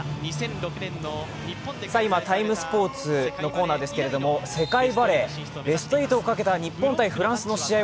今、「ＴＩＭＥ，スポーツ」のコーナーですが世界バレー、ベスト８をかけた日本×フランスの試合